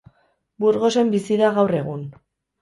Burgosen bizi da gaur egun.